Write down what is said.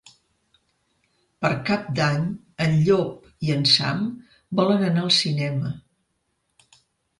Per Cap d'Any en Llop i en Sam volen anar al cinema.